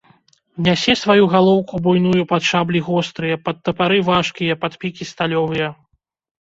Нясе сваю галоўку буйную пад шаблі гострыя, пад тапары важкія, пад пікі сталёвыя.